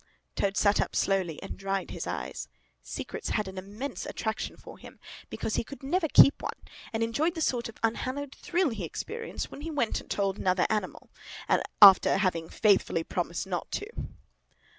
Toad sat up slowly and dried his eyes. Secrets had an immense attraction for him, because he never could keep one, and he enjoyed the sort of unhallowed thrill he experienced when he went and told another animal, after having faithfully promised not to.